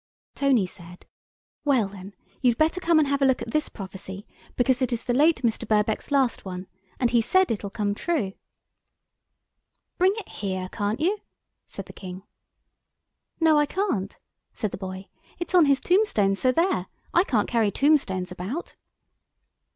Tony said, "Well, then you'd better come and have a look at this prophecy, because it is the late Mr. Birkbeck's last one, and he said it'll come true." "Bring it here, can't you?" said the King. "No, I can't," said the boy. "It's on his tombstone, so there. I can't carry tombstones about."